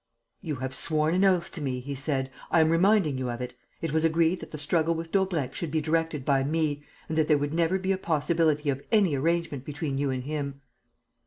"You have sworn an oath to me," he said. "I'm reminding you of it. It was agreed that the struggle with Daubrecq should be directed by me and that there would never be a possibility of any arrangement between you and him."